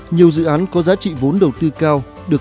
nhiều dự án có giá trị vốn đầu tư cao